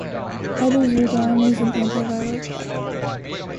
Edoxudine is an antiviral drug.